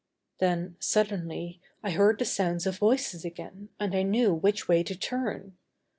Then, suddenly, I heard the sounds of voices again and I knew which way to turn.